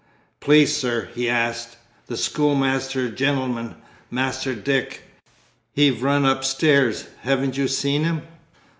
"Please, sir," he asked, "the schoolmaster gentleman, Master Dick he've run upstairs, haven't you seen him?"